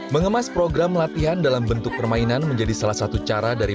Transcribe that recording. mengemas program latihan dalam bentuk permainan menjadi salah satu cara dari